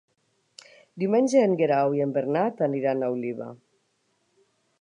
Diumenge en Guerau i en Bernat aniran a Oliva.